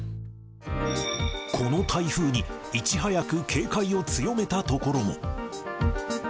この台風にいち早く警戒を強めた所も。